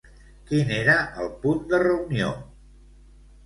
Quin era el punt de reunió?